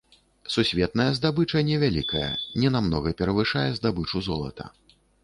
Сусветная здабыча невялікая, ненамнога перавышае здабычу золата.